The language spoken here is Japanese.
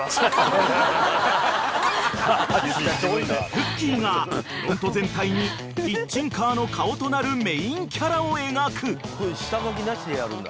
［くっきー！がフロント全体にキッチンカーの顔となるメインキャラを描く］